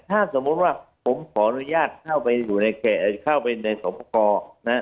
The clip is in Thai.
ถ้าสมมุติว่าผมขออนุญาตเข้าไปอยู่ในเขตเข้าไปในสอบประกอบนะครับ